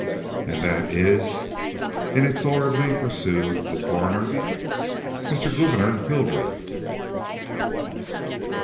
"And that is?" inexorably pursued the coroner. "Mr. Gouverneur Hildreth."